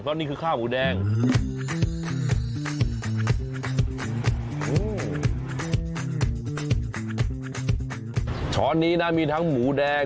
เพราะว่านี่คือข้าวหมูแดง